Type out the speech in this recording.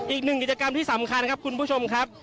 อีกหนึ่งกิจกรรมที่สำคัญครับคุณผู้ชมครับ